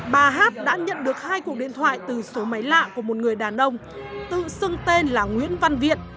bà hát đã nhận được hai cuộc điện thoại từ số máy lạ của một người đàn ông tự xưng tên là nguyễn văn viện